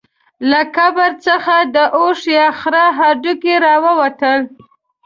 له قبر څخه د اوښ یا خره هډوکي راووتل.